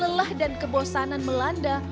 lelah dan kebosanan melanda